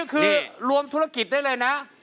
คือรวมธุรกิจได้เลยนะ